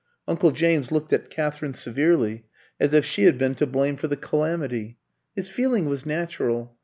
Uncle James looked at Katherine severely, as if she had been to blame for the calamity. His feeling was natural.